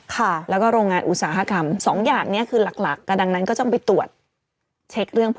ใครนะให้ปีน่าค่ะมันเจือน